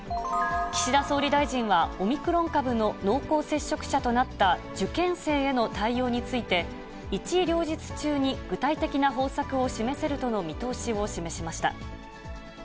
岸田総理大臣は、オミクロン株の濃厚接触者となった受験生への対応について、一両日中に具体的な方策を示せるとの見通しを示しました。